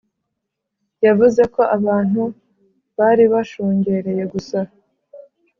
yavuze ko abantu bari bashungereyegusa